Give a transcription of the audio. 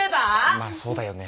まあそうだよね。